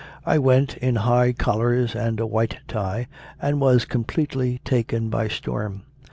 I went, in high collars and a white tie, and was completely taken by storm.